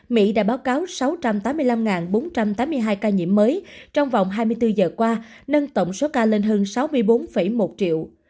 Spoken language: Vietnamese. mỹ đã báo cáo sáu trăm tám mươi năm bốn trăm tám mươi hai ca nhiễm mới trong vòng hai mươi bốn giờ qua nâng tổng số ca lên hơn sáu mươi bốn một triệu